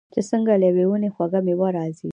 چې څنګه له یوې ونې خوږه میوه راځي.